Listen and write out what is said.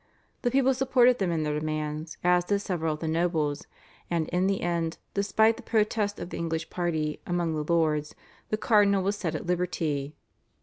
The people supported them in their demands, as did several of the nobles, and in the end, despite the protests of the English party, among the lords, the cardinal was set at liberty.